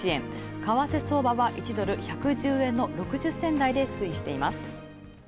為替相場は１ドル１１０円の６０銭台で推移しています。